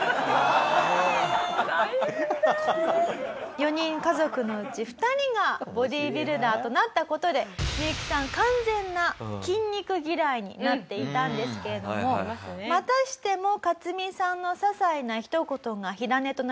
４人家族のうち２人がボディビルダーとなった事でミユキさん完全な筋肉嫌いになっていたんですけれどもまたしてもカツミさんの些細なひと言が火種となりまして